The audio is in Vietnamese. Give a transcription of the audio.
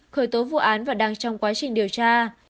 khởi tố vụ án và đang trong quá trình điều tra